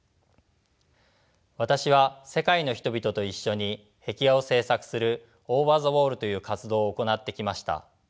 私は世界の人々と一緒に壁画を制作するＯｖｅｒｔｈｅＷａｌｌという活動を行ってきました。